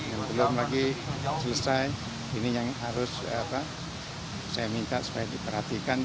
yang belum lagi selesai ini yang harus saya minta supaya diperhatikan